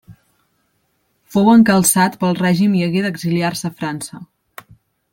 Fou encalçat pel règim i hagué d'exiliar-se a França.